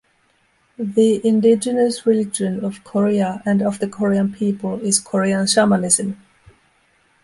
The indigenous religion of Korea and of the Korean people is Korean shamanism.